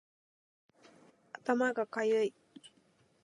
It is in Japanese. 頭がかゆい